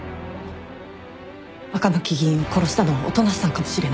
赤巻議員を殺したのは音無さんかもしれない。